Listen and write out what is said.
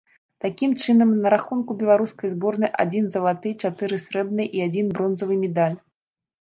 Такім чынам, на рахунку беларускай зборнай адзін залаты, чатыры срэбныя і адзін бронзавы медаль.